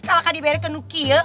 kalahkan diberi ke nuki ya